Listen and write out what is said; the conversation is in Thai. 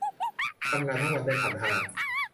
ทำงานทั้งวันได้พันห้า